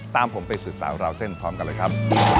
ตามผมไปสืบสาวราวเส้นพร้อมกันเลยครับ